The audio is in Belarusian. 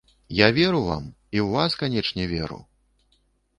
Я веру вам і ў вас, канечне, веру!